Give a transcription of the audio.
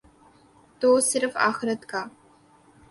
تو صرف آخرت کا۔